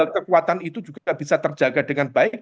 kekuatan itu juga bisa terjaga dengan baik